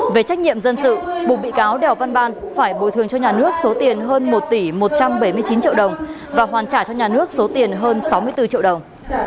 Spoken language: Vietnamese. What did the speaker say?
về trách nhiệm dân sự buộc bị cáo đèo văn ban phải bồi thường cho nhà nước số tiền hơn một tỷ một trăm bảy mươi chín triệu đồng và hoàn trả cho nhà nước số tiền hơn sáu mươi bốn triệu đồng